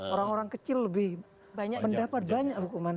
orang orang kecil lebih mendapat banyak hukuman